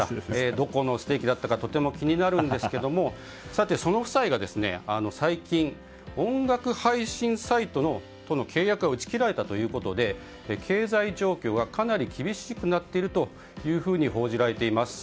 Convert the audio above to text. どこのステーキだったかとても気になるんですがさて、その夫妻が最近音楽配信サイトの契約が打ち切られたということで経済状況がかなり厳しくなっていると報じられています。